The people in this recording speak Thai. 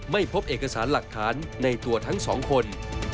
ไม่พบเอกสารหลักฐานในตัวทั้งสองคน